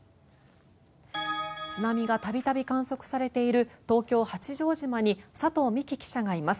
津波が度々観測されている東京・八丈島に佐藤美妃記者がいます。